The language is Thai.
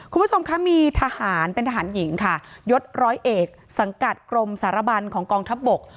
คุณผู้ชมคะมีทหารเป็นทหารหญิงค่ะยศร้อยเอกสังกัดกรมสารบันของกองทัพบก